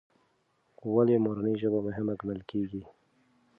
ولې مورنۍ ژبه مهمه ګڼل کېږي؟